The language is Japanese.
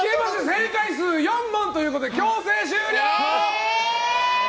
正解数４問ということで強制終了！